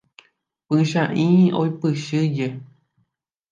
Pychãi oipichy hye.